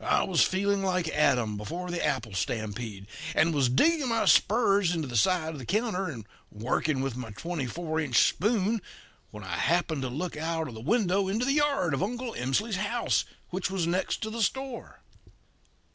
I was feeling like Adam before the apple stampede, and was digging my spurs into the side of the counter and working with my twenty four inch spoon when I happened to look out of the window into the yard of Uncle Emsley's house, which was next to the store.